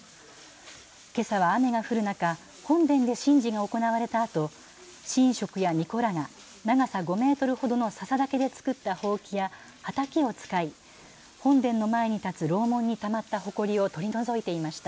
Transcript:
けさは雨が降る中、本殿で神事が行われたあと神職やみこらが長さ５メートルほどのささ竹で作ったほうきやはたきを使い本殿の前に立つ楼門にたまったほこりを取り除いていました。